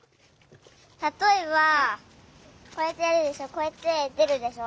たとえばこうやってやるでしょこうやってでるでしょ？